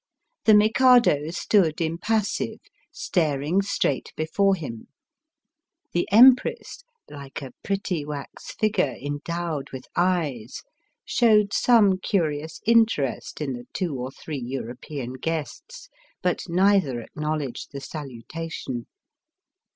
The Mikado stood impassive, staring straight before him; the Empress, like a pretty wax figure endowed with eyes, showed some curious interest in the two or three European guests, but neither acknowledged the saluta tion.